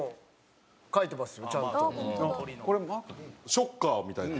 ショッカーみたいな。